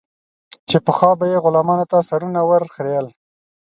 چې پخوا به یې غلامانو ته سرونه ور خرئېل.